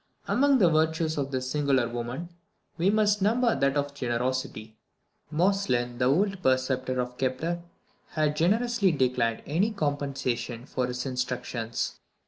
Among the virtues of this singular woman, we must number that of generosity. Moestlin, the old preceptor of Kepler, had generously declined any compensation for his instructions.